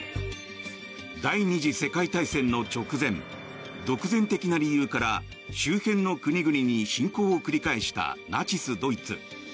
第２次世界大戦の直前独善的な理由から周辺の国々に侵攻を繰り返したナチスドイツ。